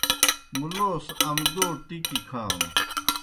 مُلوس امدَو ٹِکیْ کھانوْ۔